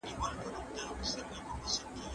خصوصي سکتور په افغانستان کي د ستونزو سره مخ دی.